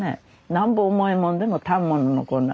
なんぼ重いもんでも反物のこんな。